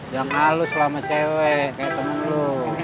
jangan lalu selama cewek kayak teman lu